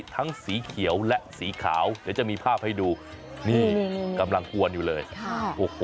สีเขียวและสีขาวเดี๋ยวจะมีภาพให้ดูนี่กำลังกวนอยู่เลย